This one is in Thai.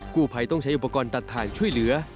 กู้ภัยต้องใช้อุปกรณ์ตัดทางช่วยเหลือ